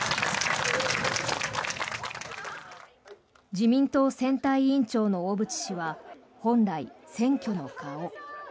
自民党選対委員長の小渕氏は本来、選挙の顔。